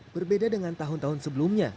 berbeda dengan tahun tahun sebelumnya